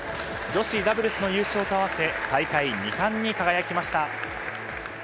女子ダブルスの優勝と合わせ大会２冠に輝きました。